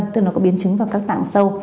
tức là nó có biến chứng vào các tạng sâu